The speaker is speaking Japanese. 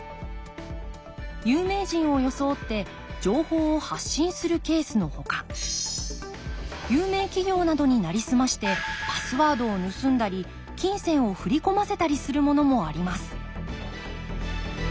有名人を装って情報を発信するケースのほか有名企業などになりすましてパスワードを盗んだり金銭を振り込ませたりするものもあります